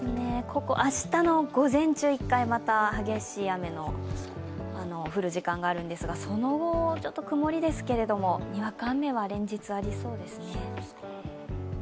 ここ、明日の午前中、１回、また激しい雨の降る時間があるんですがその後、ちょっと曇りですけれどもにわか雨は連日、ありそうですね。